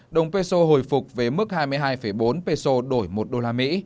đồng peso hồi phục với mức hai mươi hai bốn peso đổi một đồng